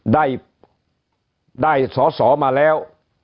ได้ได้สอมาแล้ว